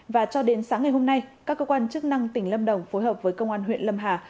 và cho đến sáng ngày hôm nay các cơ quan chức năng tỉnh lâm đồng phối hợp với công an huyện lâm hà